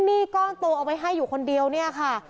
หนี้ก้อนตัวเอาไว้ให้อยู่คนเดียวเนี่ยค่ะ